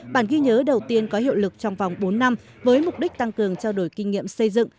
bản ghi nhớ đầu tiên có hiệu lực trong vòng bốn năm với mục đích tăng cường trao đổi kinh nghiệm xây dựng